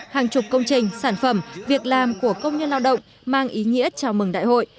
hàng chục công trình sản phẩm việc làm của công nhân lao động mang ý nghĩa chào mừng đại hội